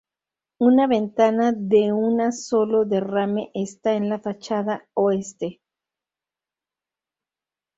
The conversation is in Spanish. Una ventana de una solo derrame está en la fachada oeste.